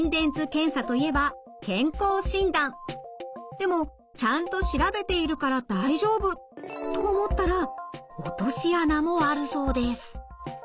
でもちゃんと調べているから大丈夫と思ったら落とし穴もあるそうです。